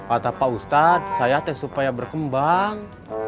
atau pak ustadz saya tes supaya berkembang